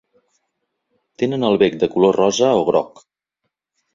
Tenen el bec de color rosa o groc.